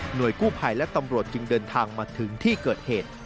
โดยกู้ภัยและตำรวจจึงเดินทางมาถึงที่เกิดเหตุ